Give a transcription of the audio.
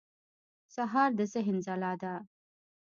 سهار د ذهن ځلا ده.